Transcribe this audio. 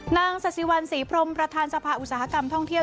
นางสสิวันศรีพรมประธานสภาอุตสาหกรรมท่องเที่ยว